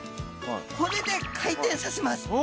これで回転させます！